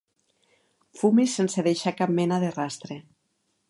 Fumis sense deixar cap mena de rastre.